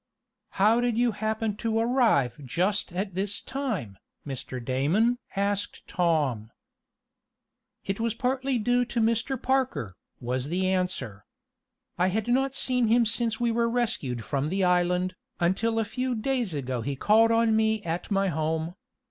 "How did you happen to arrive just at this time, Mr. Damon?" asked Tom. "It was partly due to Mr. Parker," was the answer. "I had not seen him since we were rescued from the island, until a few days ago he called on me at my home.